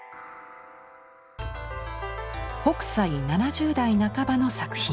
北斎７０代半ばの作品。